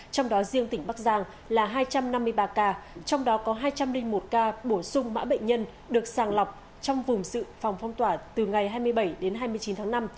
trong đó riêng tỉnh bắc giang là hai trăm năm mươi ba ca trong đó có hai trăm linh một ca bổ sung mã bệnh nhân được sàng lọc trong vùng dự phòng phong tỏa từ ngày hai mươi bảy đến hai mươi chín tháng năm